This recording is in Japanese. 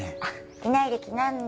いない歴何年？